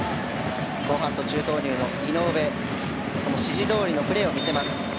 後半途中投入の井上がその指示どおりのプレーを見せます。